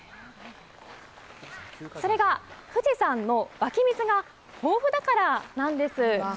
それが富士山の湧き水が豊富だからなんです。